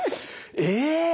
え。